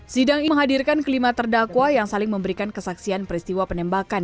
sidang ini menghadirkan kelima terdakwa yang saling memberikan kesaksian peristiwa penembakan